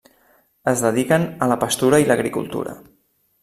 Es dediquen a la pastura i l'agricultura.